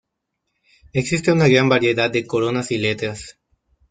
Existe una gran variedad de coronas y letras.